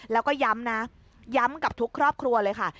แล้วก็ย้ำนะย้ำกับทุกครอบครัวเลยค่ะ